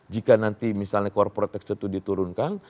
jika nanti misalnya corporate action itu diturunkan